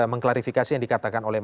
mengklarifikasi yang dikatakan oleh